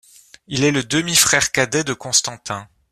Il est le demi-frère cadet de Constantin.